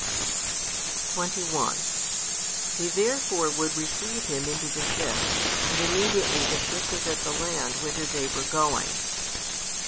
21 They therefore would receive Him into the ship, and immediately the ship was at the land whither they were going.